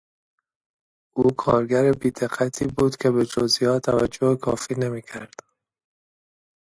او کارگر بیدقتی بود که به جزئیات توجه کافی نمیکرد.